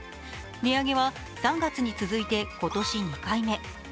値上げは３月に続いて今年２回目。